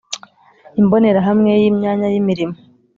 imbonerahamwe y imyanya y imirimo